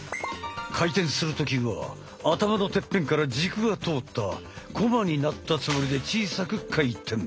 回転する時は頭のてっぺんから軸が通ったコマになったつもりで小さく回転。